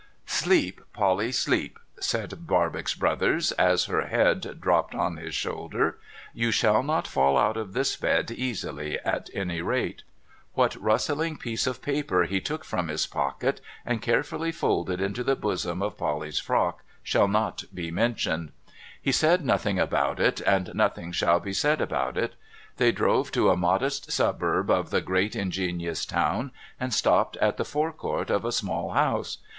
' Sleep, Polly, sleep,' said Barbox Brothers, as her head dropped on his shoulder ;' you shall not fall out of this bed easily, at any rate !' What rustling piece of paper he took from his pocket, and care fully folded into the bosom of Polly's frock, shall not be mentioned. He said nothing about it, and nothing shall be said about it. They drove to a modest suburb of the great ingenious town, and stopped at the fore court of a small house.